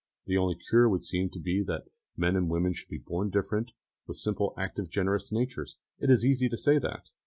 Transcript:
The only cure would seem to be that men and women should be born different, with simple active generous natures; it is easy to say that!